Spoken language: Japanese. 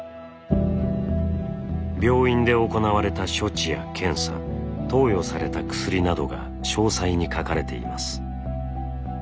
病院で行われた処置や検査投与された薬などが詳細に書かれています。